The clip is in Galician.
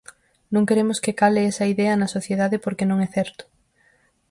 Non queremos que cale esa idea na sociedade porque non é certo.